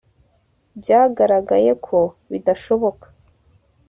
Byagaragaye ko bidashoboka